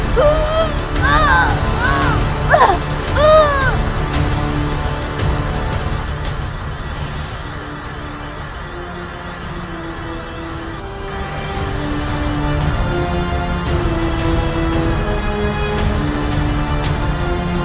aku akan membuka gelang penakluk sukmamu